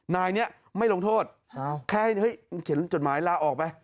นายนี้ไม่ลงโทษแค่ให้เขียนจดหมายลาออกไป